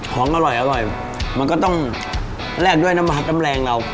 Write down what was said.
ของอร่อยมันก็ต้องแลกด้วยน้ำหักน้ำแรงเรา